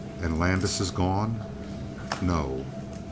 "And Landis is gone?" "No."